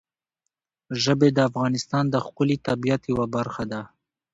ژبې د افغانستان د ښکلي طبیعت یوه برخه ده.